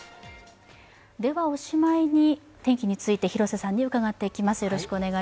ではおしまいに、天気について広瀬さんに伺っていきます。